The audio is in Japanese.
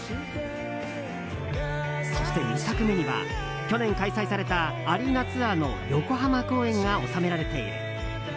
そして２作目には去年開催されたアリーナツアーの横浜公演が収められている。